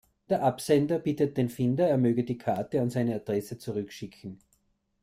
Der Absender bittet den Finder, er möge die Karte an seine Adresse zurückschicken.